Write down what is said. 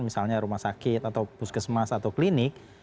misalnya rumah sakit atau puskesmas atau klinik